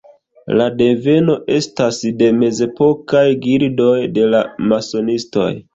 La deveno estas de mezepokaj gildoj de la masonistoj.